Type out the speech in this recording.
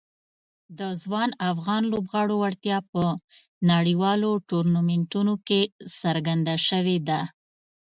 د ځوان افغان لوبغاړو وړتیا په نړیوالو ټورنمنټونو کې څرګنده شوې ده.